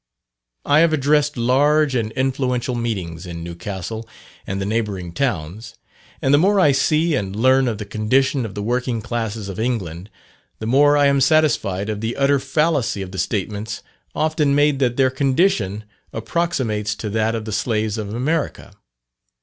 I have addressed large and influential meetings in Newcastle and the neighbouring towns, and the more I see and learn of the condition of the working classes of England the more I am satisfied of the utter fallacy of the statements often made that their condition approximates to that of the slaves of America.